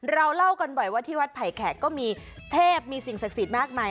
เราเล่ากันบ่อยว่าที่วัดไผ่แขกก็มีเทพมีสิ่งศักดิ์สิทธิ์มากมาย